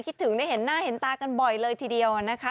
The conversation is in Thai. คิดถึงได้เห็นหน้าเห็นตากันบ่อยเลยทีเดียวนะคะ